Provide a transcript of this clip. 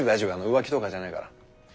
浮気とかじゃないから。